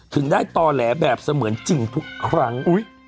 ถึงได้ต่อแหลแบบเสมือนจริงทุกครั้ง